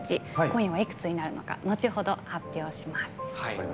今夜はいくつになるのか後ほど発表します。